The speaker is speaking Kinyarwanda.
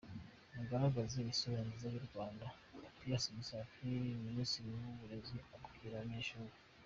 Muzagaragaze isura nziza y’u Rwanda" Papias Musafiri, Ministiri w’uburezi abwira abanyeshuri.